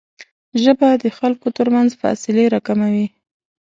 ژبه د خلکو ترمنځ فاصلې راکموي